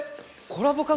コラボ缶。